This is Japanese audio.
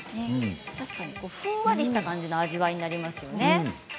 確かにふんわりした味わいになりますよね。